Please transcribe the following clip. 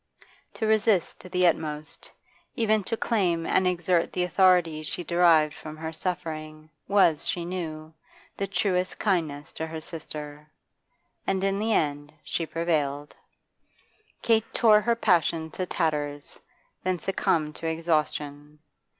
To resist to the uttermost, even to claim and exert the authority she derived from her suffering, was, she knew, the truest kindness to her sister. And in the end she prevailed. Kate tore her passion to tatters, then succumbed to exhaustion.